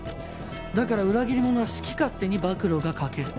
だから裏切り者は好き勝手に暴露が書ける。